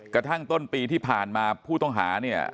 กระทั่งต้นปีที่ผ่านมาผู้ต้องหาเนี่ย